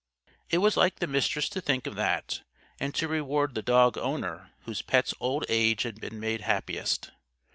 It was like the Mistress to think of that, and to reward the dog owner whose pet's old age had been made happiest.